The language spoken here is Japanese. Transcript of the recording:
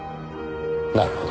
なるほど。